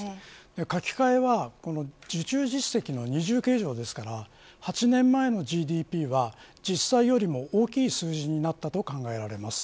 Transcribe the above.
書き換えは受注実績の二重計上ですから８年前のＧＤＰは実際よりも大きい数字になったと考えられます。